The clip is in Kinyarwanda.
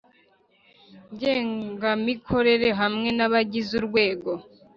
Ngengamikorere hamwe n abagize urwego